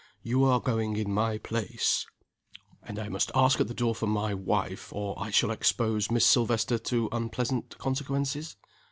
You are going in my place " "And I must ask at the door for 'my wife,' or I shall expose Miss Silvester to unpleasant consequences?"